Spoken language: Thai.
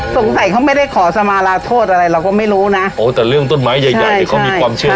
สงสัยเขาไม่ได้ขอสมาลาโทษอะไรเราก็ไม่รู้นะโอ้แต่เรื่องต้นไม้ใหญ่ใหญ่เนี่ยเขามีความเชื่อ